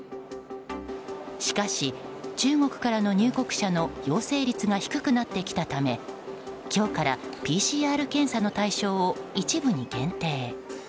しかし、中国からの入国者の陽性率が低くなってきたため今日からＰＣＲ検査の対象を一部に限定。